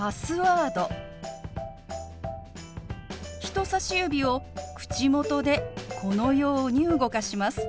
人さし指を口元でこのように動かします。